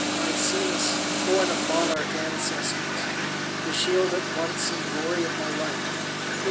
Maecenas, born of monarch ancestors, The shield at once and glory of my life!